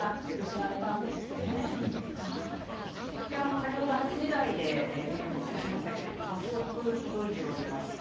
先ほど８時台でメールを募集しましたけれども早速、届いています。